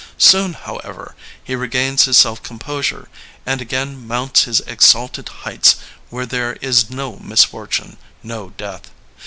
Soon, however, he regains his self composure and again mounts his exalted heights where there is no misfortune, no death.